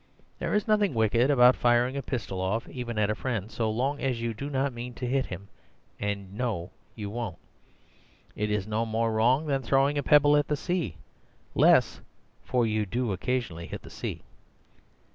There is nothing wicked about firing a pistol off even at a friend, so long as you do not mean to hit him and know you won't. It is no more wrong than throwing a pebble at the sea—less, for you do occasionally hit the sea.